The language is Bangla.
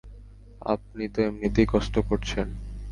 আপনি তো এমনিতেই কষ্ট করছেন।